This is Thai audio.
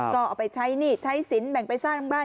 ก็เอาไปใช้หนี้ใช้สินแบ่งไปสร้างทั้งบ้าน